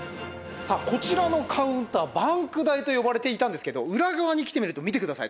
さあこちらのカウンターバンク台と呼ばれていたんですけど裏側に来てみると見て下さい。